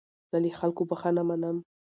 زه له خلکو بخښنه منم.